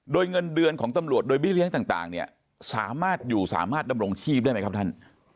โดยเงินเดือนของตำรวจโดยบี้เลี้ยงต่างเนี่ยสามารถอยู่สามารถดำรงชีพได้ไหมครับท่าน